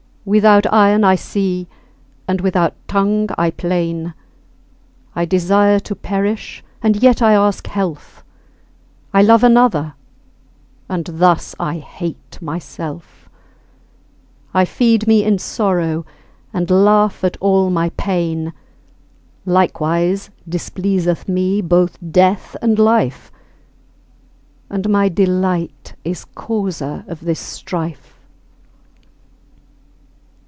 Without eyen* I see, and without tongue I plain; {eyes} I desire to perish, and yet I ask health; I love another, and thus I hate myself; I feed me in sorrow, and laugh at all my pain. Likewise displeaseth me both death and life, And my delight is causer of this strife.